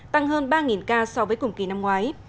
tăng hơn ba ca so với cùng kỳ năm ngoái